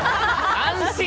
安心！